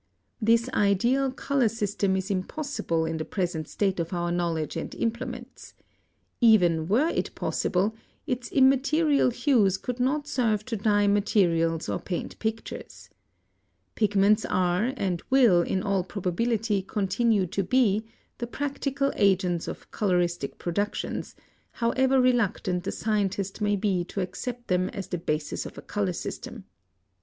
(100) This ideal color system is impossible in the present state of our knowledge and implements. Even were it possible, its immaterial hues could not serve to dye materials or paint pictures. Pigments are, and will in all probability continue to be, the practical agents of coloristic productions, however reluctant the scientist may be to accept them as the basis of a color system.